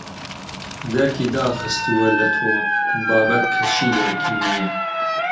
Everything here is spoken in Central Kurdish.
دەرکی داخستووە لە تۆ بابت کەچی دەرکی نییە